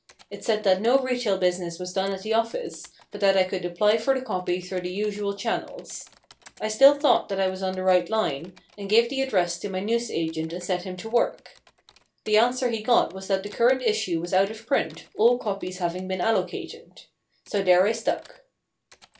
It said that no retail business was done at the office, but that I could apply for the copy through the usual channels. I still thought that I was on the right line, and gave the address to my newsagent and set him to work. The answer he got was that the current issue was out of print, all copies having been allocated. So there I stuck.